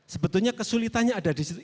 sebetulnya kesulitannya ada di situ